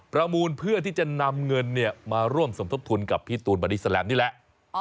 ประมูลเพื่อที่จะนำเงินมาร่วมสมทบทุนกับพี่ตูนบอดี้แลมนี่แหละ